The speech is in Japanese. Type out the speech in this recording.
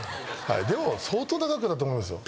でも相当な額だと思いますよ。